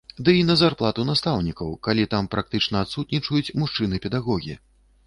Ды і на зарплату настаўнікаў, калі там практычна адсутнічаюць мужчыны-педагогі.